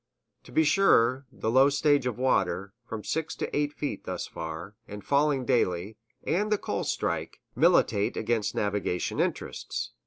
To be sure, the low stage of water, from six to eight feet thus far, and falling daily, and the coal strike, militate against navigation interests.